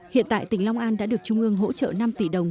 hiện tại tỉnh long an đã được trung ương hỗ trợ năm tỷ đồng